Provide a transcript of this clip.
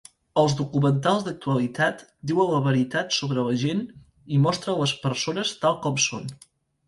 Els documentals d'actualitat diuen la veritat sobre la gent i mostren les persones tal com són.